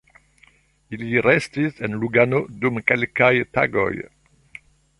Ili restis en Lugano dum kelkaj tagoj.